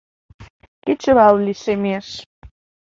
— Кечывал лишемеш.